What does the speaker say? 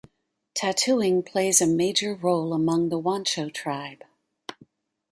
Tattooing plays a major role among the Wancho tribe.